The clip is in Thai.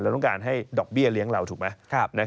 ต้องการให้ดอกเบี้ยเลี้ยงเราถูกไหม